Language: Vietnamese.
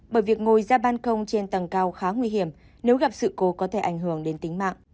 bởi việc ngồi ra ban công trên tầng cao khá nguy hiểm nếu gặp sự cố có thể ảnh hưởng đến tính mạng